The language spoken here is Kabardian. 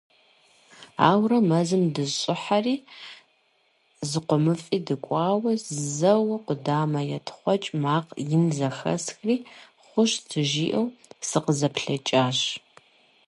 Ауэрэ мэзым дыщӀыхьэри зыкъомыфӀи ткӀуауэ, зэуэ къудамэ етхъуэкӀ макъ ин зэхэсхри, «хъущт» жиӀэу сыкъызэплъэкӀащ.